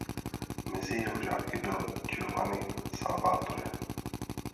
Mezi jeho žáky byl Giovanni Salvatore.